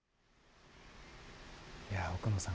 奥野さん